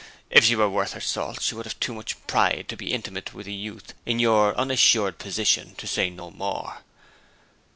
If she were worth her salt she would have too much pride to be intimate with a youth in your unassured position, to say no more.'